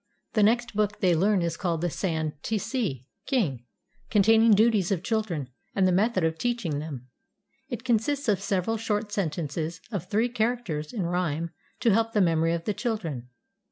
The next book they learn is called the "San tsee 2IO HOW CHINESE CHILDREN LEARN TO READ king," containing duties of children, and the method of teaching them. It consists of several short sentences of three characters in rhyme to help the memory of the children.